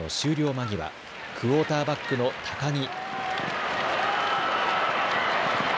間際クオーターバックの高木。